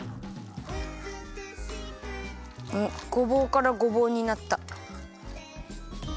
おっごぼうからごぼうになった。